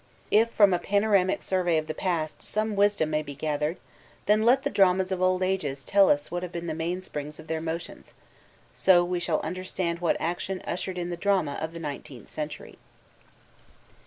If from a panoramic survey of the past some wisdom nay be gathered, then let the dramas of old ages tell us what have been the mainsprings of their motions; so we shall understand what action ushered in the drama of the nineteenth century.